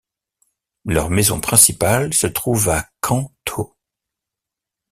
Leur maison principale se trouve à Can Tho.